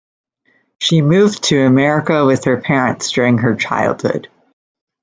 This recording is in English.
She moved to America with her parents during her childhood.